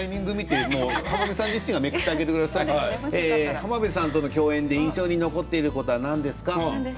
浜辺さんとの共演で印象に残っていることは何ですか？と聞きました。